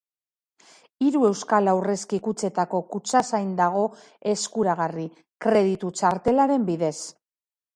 Hiru euskal aurrezki-kutxetako kutxazain dago eskuragarri, kreditu-txartelaren bidez.